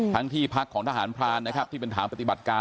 ที่พักของทหารพรานนะครับที่เป็นฐานปฏิบัติการ